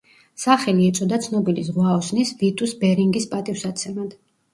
სახელი ეწოდა ცნობილი ზღვაოსნის ვიტუს ბერინგის პატივსაცემად.